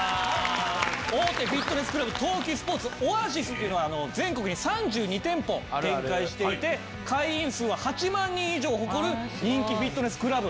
大手フィットネスクラブ東急スポーツオアシスっていうのは全国に３２店舗展開していて会員数は８万人以上を誇る人気フィットネスクラブなんですけれども。